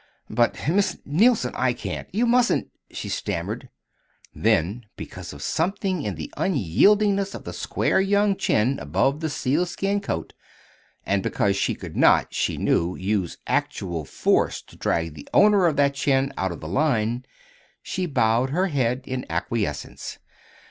"But, Miss Neilson, I can't you mustn't " she stammered; then, because of something in the unyieldingness of the square young chin above the sealskin coat, and because she could not (she knew) use actual force to drag the owner of that chin out of the line, she bowed her head in acquiescence.